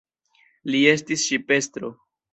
Li estis ŝipestro.